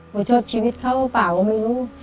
ขอโทษชีวิตเขาหรือเปล่าก็ไม่รู้